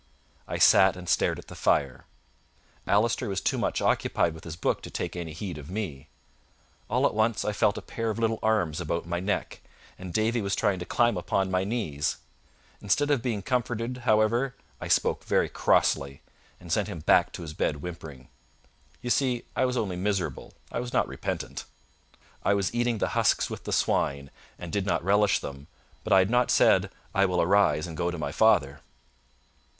I sat and stared at the fire. Allister was too much occupied with his book to take any heed of me. All at once I felt a pair of little arms about my neck, and Davie was trying to climb upon my knees. Instead of being comforted, however, I spoke very crossly, and sent him back to his bed whimpering. You see I was only miserable; I was not repentant. I was eating the husks with the swine, and did not relish them; but I had not said, "I will arise and go to my father".